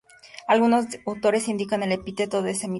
Algunos autores indican el epíteto de "de-smetiana".